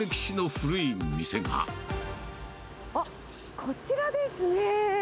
あっ、こちらですね。